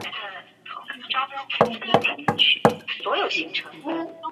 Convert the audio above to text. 该体育场为奥林匹亚克斯足球俱乐部的主场所在地。